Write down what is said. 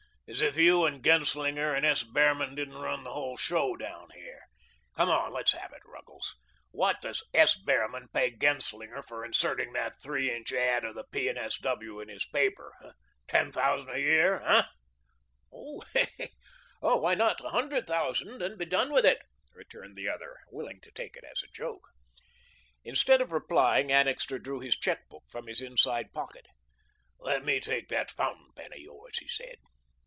As if you and Genslinger and S. Behrman didn't run the whole show down here. Come on, let's have it, Ruggles. What does S. Behrman pay Genslinger for inserting that three inch ad. of the P. and S. W. in his paper? Ten thousand a year, hey?" "Oh, why not a hundred thousand and be done with it?" returned the other, willing to take it as a joke. Instead of replying, Annixter drew his check book from his inside pocket. "Let me take that fountain pen of yours," he said.